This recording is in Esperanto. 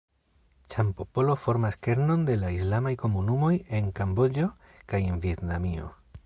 Ĉam-popolo formas kernon de la islamaj komunumoj en kaj Kamboĝo kaj Vjetnamio.